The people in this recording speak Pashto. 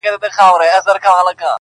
اوس خو یې څادر زما داغلی رانه دی